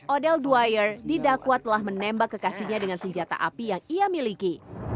odel dwire didakwa telah menembak kekasihnya dengan senjata api yang ia miliki